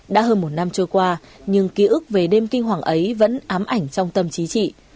đã hơn một năm trôi qua nhưng ký ức về đêm kinh hoàng ấy vẫn ám ảnh trong tâm trí trị